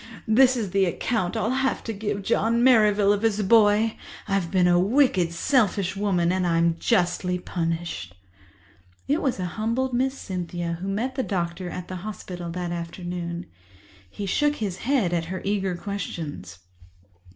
This is the account I'll have to give John Merrivale of his boy. I've been a wicked, selfish woman, and I'm justly punished." It was a humbled Miss Cynthia who met the doctor at the hospital that afternoon. He shook his head at her eager questions.